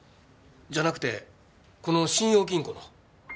じゃなくてこの信用金庫の。